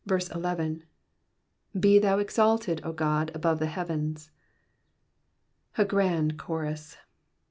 ^^Be thou exalted, 0 God, above the hea/oens.'''' A grand chonls.